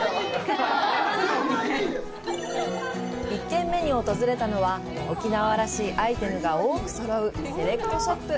１軒目に訪れたのは沖縄らしいアイテムが多くそろうセレクトショップ